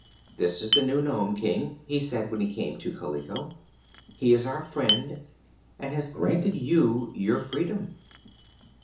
"This is the new Nome King," he said when he came to Kaliko. "He is our friend, and has granted you your freedom."